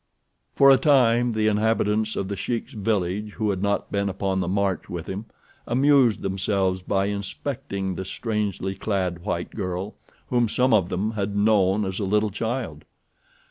For a time the inhabitants of The Sheik's village who had not been upon the march with him amused themselves by inspecting the strangely clad white girl, whom some of them had known as a little child.